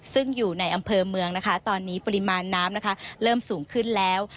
ซึ่งอยู่ในอำเภอเมืองนะคะตอนนี้ปริมาณน้ำนะคะเริ่มสูงขึ้นแล้ว